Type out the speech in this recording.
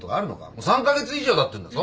もう３カ月以上たってんだぞ。